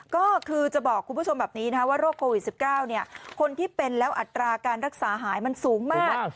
ก็คือจะบอกคุณผู้ชมแบบนี้ว่าโรคโควิด๑๙คนที่เป็นแล้วอัตราการรักษาหายมันสูงมาก